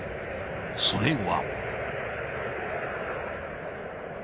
［それは］